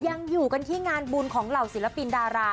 ยังอยู่กันที่งานบุญของเหล่าศิลปินดารา